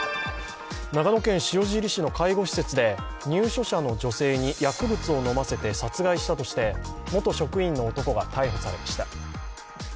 長野県塩尻市の介護施設に入所者の女性に、薬物を飲ませて殺害したとして元職員の男が逮捕されました。